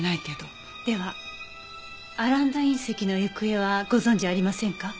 ではアランダ隕石の行方はご存じありませんか？